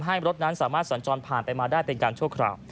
ให้รถนั้นสามารถสัญจรผ่านไปมาได้เป็นการชั่วคราว